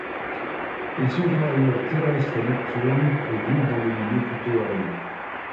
Ils sont par ailleurs terrestres et nocturnes, et vivent dans des milieux plutôt arides.